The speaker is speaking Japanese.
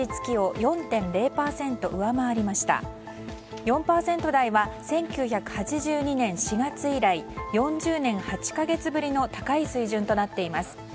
４％台は１９８２年４月以来４０年８か月ぶりの高い水準となっています。